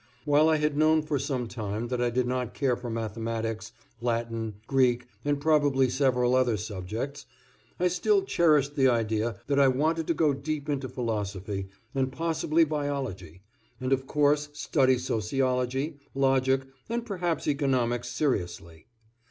While I had known for some time that I did not care for mathematics, Latin, Greek, and probably several other subjects, I still cherished the idea that I wanted to go deep into philosophy and possibly biology, and, of course, study sociology, logic and perhaps economics seriously.